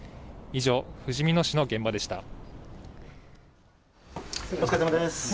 以上、ふじみ野市の現場でした。